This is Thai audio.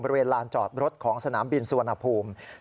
บริเวณลานจอดรถของสถานบิลซัวนภูมิ